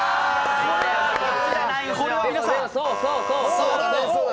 そうそうそう。